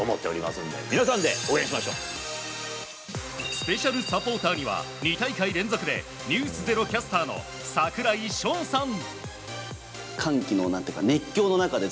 スペシャルサポーターには２大会連続で「ｎｅｗｓｚｅｒｏ」キャスターの櫻井翔さん。